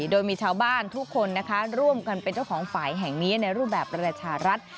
โดยมีชาวบ้านทุกคนนะคะร่วมกันเป็นเจ้าของฝ่ายแห่งนี้ในรูปแบบประชารัฐ